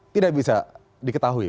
tidak bisa diketahui